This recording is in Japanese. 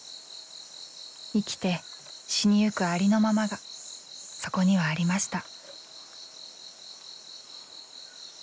生きて死にゆくありのままがそこにはありました。